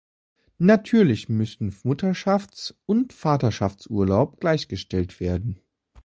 Natürlich müssen Mutterschafts- und Vaterschaftsurlaub gleichgestellt werden.